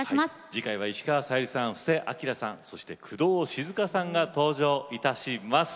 次回は石川さゆりさん布施明さんそして工藤静香さんが登場いたします。